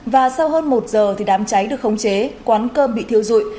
và sau hơn một giờ thì đám cháy được khống chế quán cơm bị thiếu rụi